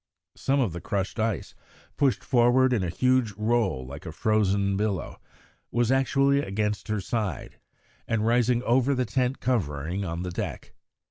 Some of the crushed ice, pushed forward in a huge roll like a frozen billow, was actually against her side and rising over the tent covering on the deck.